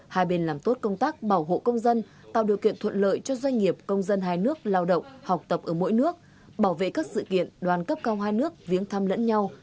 hai bên làm tốt công tác bảo hộ công dân tạo điều kiện thuận lợi cho doanh nghiệp công dân hai nước lao động học tập ở mỗi nước bảo vệ các sự kiện đoàn cấp cao hai nước viếng thăm lẫn nhau